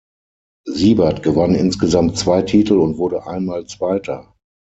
Siebert gewann insgesamt zwei Titel und wurde einmal Zweiter.